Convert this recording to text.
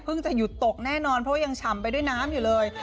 จะหยุดตกแน่นอนเพราะว่ายังฉ่ำไปด้วยน้ำอยู่เลย